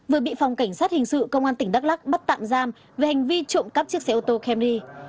vừa bị phòng cảnh sát hình sự công an tỉnh đắk lắc bắt tạm giam về hành vi trộm cắp chiếc xe ô tô camy